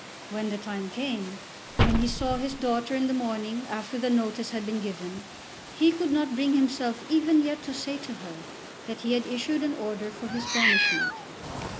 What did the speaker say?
When the time came, when he saw his daughter in the morning after the notice had been given, he could not bring himself even yet to say to her that he had issued an order for his banishment.